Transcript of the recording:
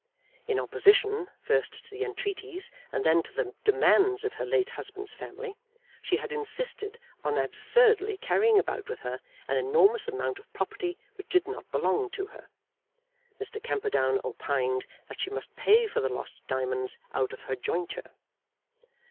In opposition, first to the entreaties, and then to the demands of her late husband's family, she had insisted on absurdly carrying about with her an enormous amount of property which did not belong to her. Mr. Camperdown opined that she must pay for the lost diamonds out of her jointure.